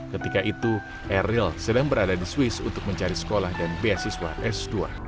ketika itu eril sedang berada di swiss untuk mencari sekolah dan beasiswa s dua